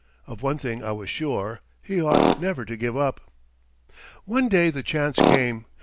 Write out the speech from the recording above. Of one thing I was sure, he ought never to give up. One day the chance came.